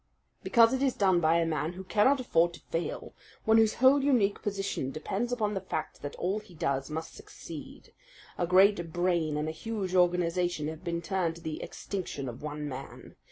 "Because it is done by a man who cannot afford to fail, one whose whole unique position depends upon the fact that all he does must succeed. A great brain and a huge organization have been turned to the extinction of one man.